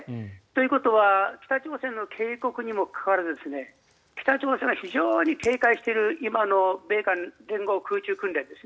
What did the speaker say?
ということは北朝鮮の警告にもかかわらず北朝鮮は非常に警戒している今の米韓連合空中訓練